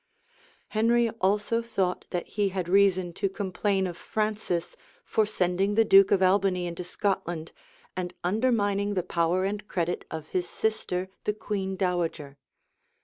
Henry also thought that he had reason to complain of Francis for sending the duke of Albany into Scotland, and undermining the power and credit of his sister the queen dowager.